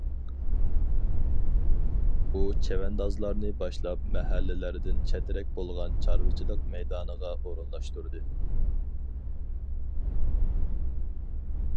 ئۇ چەۋەندازلارنى باشلاپ مەھەللىلەردىن چەترەك بولغان چارۋىچىلىق مەيدانىغا ئورۇنلاشتۇردى.